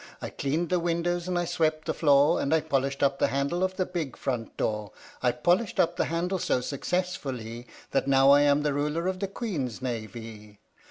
S. "PINAFORE" I cleaned the windows and I swept the floor, And I polished up the handle of the big front door. I polished up that handle so successfullee That now I am the Ruler of the Queen's Navee.